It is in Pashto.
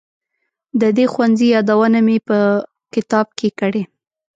د دې ښوونځي یادونه مې په کتاب کې کړې.